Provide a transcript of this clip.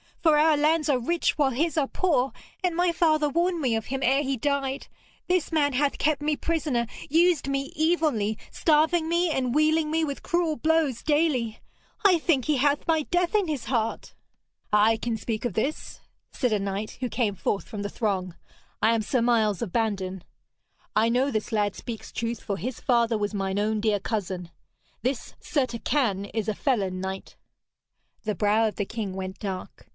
For our lands are rich while his are poor, and my father warned me of him ere he died. This man hath kept me prisoner, used me evilly, starving me and wealing me with cruel blows daily. I think he hath my death in his heart.' 'I can speak of this thing,' said a knight, who came forth from the throng. 'I am Sir Miles of Bandon. I know this lad speaks truth, for his father was mine own dear cousin. This Sir Turquine is a felon knight.' The brow of the king went dark.